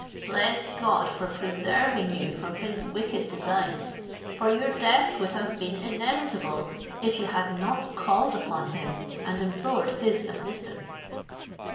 Bless God for preserving you from his wicked designs; for your death would have been inevitable, if you had not called upon him, and implored his assistance."